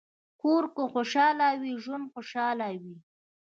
کور که خوشحال وي، ژوند خوشحال وي.